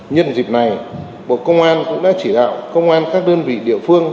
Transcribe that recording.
nhân dịp này bộ công an cũng đã chỉ đạo công an các đơn vị địa phương